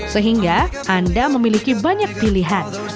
sehingga anda memiliki banyak pilihan